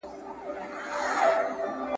ملیار چي په لوی لاس ورکړي زاغانو ته بلني !.